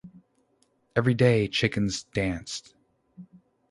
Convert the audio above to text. Every day, chickens dance.